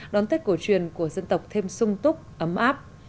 đón tết cổ truyền của dân tộc thêm sung túc ấm áp